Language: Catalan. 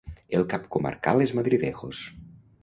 El cap comarcal és Madridejos.